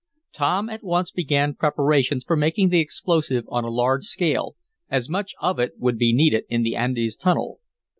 Tom at once began preparations for making the explosive on a large scale, as much of it would be needed in the Andes tunnel.